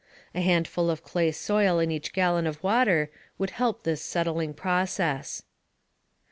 A handful of clay soil in each gallon of water would help this settling process.